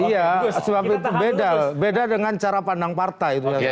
iya sebab itu beda beda dengan cara pandang partai itu